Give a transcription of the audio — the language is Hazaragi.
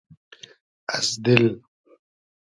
از دیل